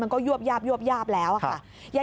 มันก็ยวบยาบแล้วค่ะ